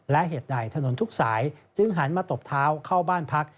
และเหตุใดถนนทุกสายจึงหันมาตบเท้าเข้าบ้านพัก